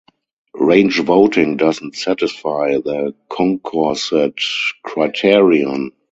Range voting doesn't satisfy the Condorcet criterion.